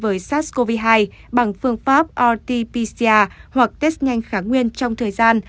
với sars cov hai bằng phương pháp rt pcr hoặc test nhanh kháng nguyên trong thời gian